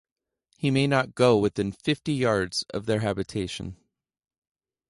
He may not go within fifty yards of their habitation.